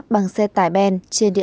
bằng sức khỏe